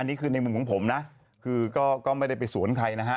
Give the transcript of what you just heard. นี่คือในมุมของผมนะคือก็ไม่ได้ไปสวนใครนะฮะ